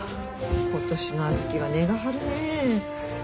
今年の小豆は値が張るねえ。